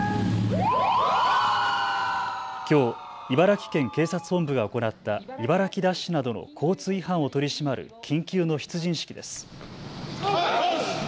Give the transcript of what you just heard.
きょう茨城県警察本部が行った茨城ダッシュなどの交通違反を取り締まる緊急の出陣式です。